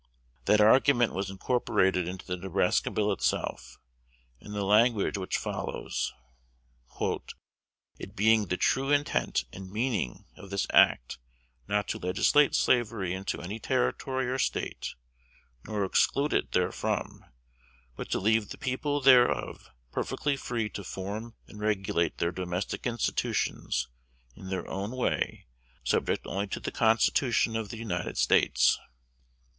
That argument was incorporated into the Nebraska Bill itself, in the language which follows: "It being the true intent and meaning of this act not to legislate slavery into any Territory or State, nor exclude it therefrom, but to leave the people thereof perfectly free to form and regulate their domestic institutions in their own way, subject only to the Constitution of the United States."